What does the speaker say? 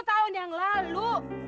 dua puluh tahun yang lalu